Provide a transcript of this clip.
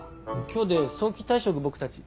今日で早期退職僕たち。